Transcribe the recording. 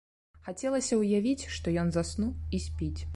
Хацелася ўявіць, што ён заснуў і спіць.